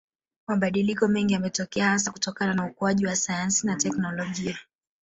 Mabadiliko mengi yametokea hasa kutokana na ukuaji wa sayansi na technolojia